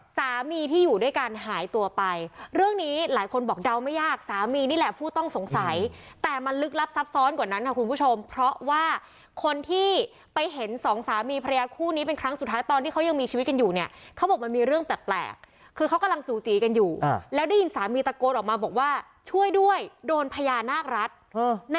สามีที่อยู่ด้วยกันหายตัวไปเรื่องนี้หลายคนบอกเดาไม่ยากสามีนี่แหละผู้ต้องสงสัยแต่มันลึกลับซับซ้อนกว่านั้นค่ะคุณผู้ชมเพราะว่าคนที่ไปเห็นสองสามีภรรยาคู่นี้เป็นครั้งสุดท้ายตอนที่เขายังมีชีวิตกันอยู่เนี่ยเขาบอกมันมีเรื่องแปลกคือเขากำลังจู่จีกันอยู่แล้วได้ยินสามีตะโกนออกมาบอกว่าช่วยด้วยโดนพญานาครัฐ